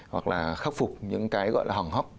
hoặc là khắc phục những cái gọi là hỏng hóc